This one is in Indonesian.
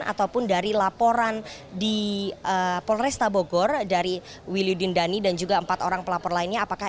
ataupun dari laporan di polresta bogor dari wiludin dhani dan juga empat orang pelapor lainnya